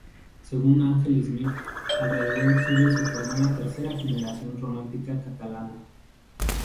Según Angel Smith, alrededor suyo se formó la tercera generación romántica catalana.